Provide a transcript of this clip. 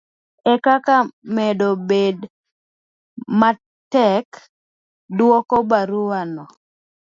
ekaka medo bedo matek dwoko barua no